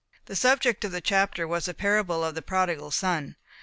The subject of the chapter was the parable of the prodigal son.